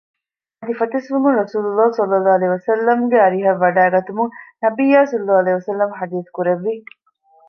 އަދި ފަތިސްވުމުން ރަސޫލުﷲ ﷺ ގެ އަރިހަށް ވަޑައިގަތުމުން ނަބިއްޔާ ﷺ ޙަދީޘްކުރެއްވި